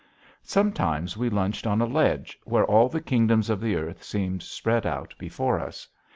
Sometimes we lunched on a ledge where all the kingdoms of the earth seemed spread out before us.